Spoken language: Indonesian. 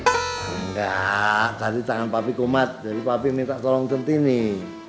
enggak tadi tangan papi kumat jadi papi minta tolong senti nih